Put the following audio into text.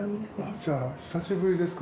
じゃあ久しぶりですか。